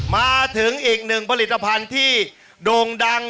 มาถึงอีกหนึ่งผลิตภัณฑ์ที่โด่งดัง